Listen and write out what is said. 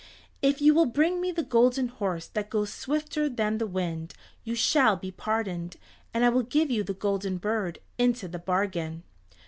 If you will bring me the Golden Horse that goes swifter than the wind, you shall be pardoned, and I will give you the Golden Bird into the bargain."